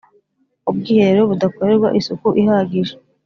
ubwiherero budakorerwa isuku ihagije